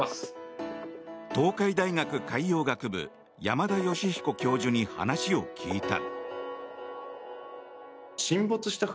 東海大学海洋学部山田吉彦教授に話を聞いた。